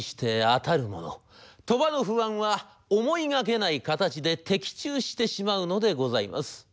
鳥羽の不安は思いがけない形で的中してしまうのでございます。